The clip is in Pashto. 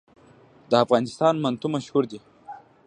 د افغانستان منتو مشهور دي